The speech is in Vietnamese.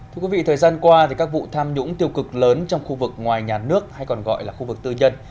thưa quý vị thời gian qua các vụ tham nhũng tiêu cực lớn trong khu vực ngoài nhà nước hay còn gọi là khu vực tư nhân